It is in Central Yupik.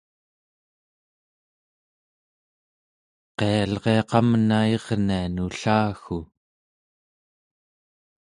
qialria qamna irnian ullaggu!